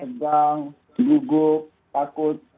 sedang digugup takut